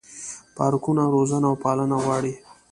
پارکونه روزنه او پالنه غواړي.